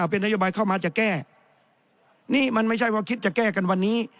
เป็นนโยบายเข้ามาจะแก้นี่มันไม่ใช่ว่าคิดจะแก้กันวันนี้